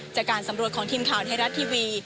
จากการสำรวจของทีมข่าวไทยรัฐทีวี